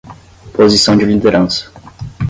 Posição de liderança